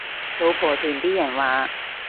老婆團啲人話